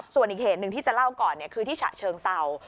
ส่วนอีกเหตุหนึ่งที่จะเล่าก่อนคือที่ฉะเชิงเศร้า